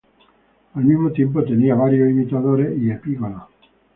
Al mismo tiempo tenía varios imitadores y epígonos.